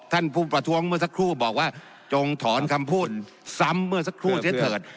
ท่านผู้ประท้วงเมื่อสักครู่บอกว่าจงถอนคำพูดซ้ำเมื่อสักครู่เสียเถิด